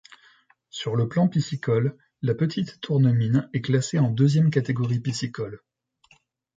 Sur le plan piscicole, la Petite Tournemine est classée en deuxième catégorie piscicole.